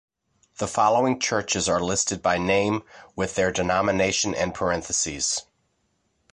The following churches are listed by name, with their denomination in parentheses.